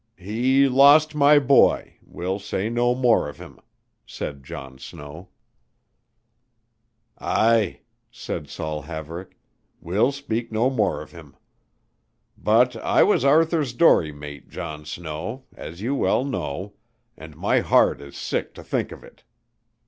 "He lost my boy we'll say no more of him," said John Snow. "Ay," said Saul Haverick, "we'll speak no more of him. But I was Arthur's dory mate, John Snow, as you well know, and my heart is sick to think of it.